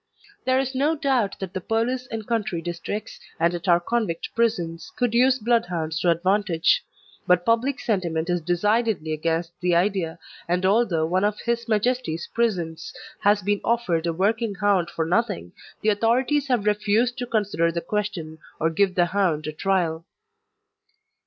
There is no doubt that the police in country districts, and at our convict prisons, could use Bloodhounds to advantage; but public sentiment is decidedly against the idea, and although one of His Majesty's prisons has been offered a working hound for nothing, the authorities have refused to consider the question or give the hound a trial.